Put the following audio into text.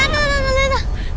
eh tunggu tunggu tunggu